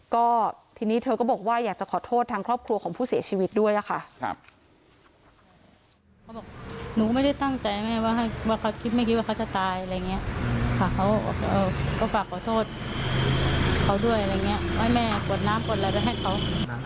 ก็ทีนี้เธอก็บอกว่าอยากจะขอโทษทางครอบครัวของผู้เสียชีวิตด้วยค่ะ